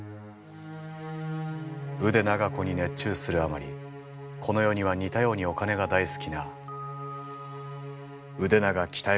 腕長子に熱中するあまりこの世には似たようにお金が大好きな腕長鍛子がいること。